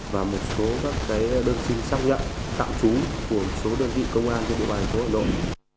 và một số các đơn xin xác nhận tạm trú của một số đơn vị công an trên địa bàn thành phố hà nội